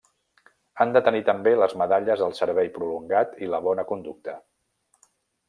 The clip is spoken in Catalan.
Han de tenir també les medalles al servei prolongat i la bona conducta.